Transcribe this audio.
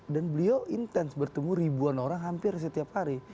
dan beliau intens bertemu ribuan orang hampir setiap hari